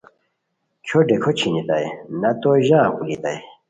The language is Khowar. کھیو ڈیکو چھینیتائے نہ تو ژان پولیتائے